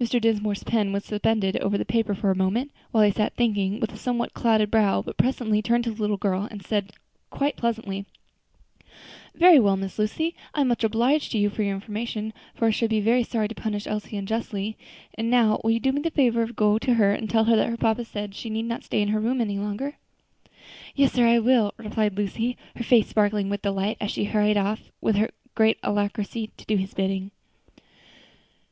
Mr. Dinsmore's pen was suspended over the paper for a moment, while he sat thinking with a somewhat clouded brow; but presently turning to the little girl, he said quite pleasantly, "Very well, Miss Lucy, I am much obliged to you for your information, for I should be very sorry to punish Elsie unjustly. And now will you do me the favor to go to her and tell her that her papa says she need not stay in her room any longer?" "Yes, sir, I will," replied Lucy, her face sparkling with delight as she hurried off with great alacrity to do his bidding.